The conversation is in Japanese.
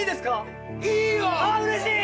うれしい！